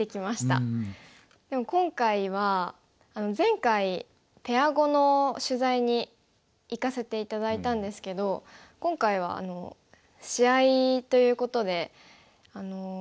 でも今回は前回ペア碁の取材に行かせて頂いたんですけど今回は試合ということで緊張感が全然違いましたね。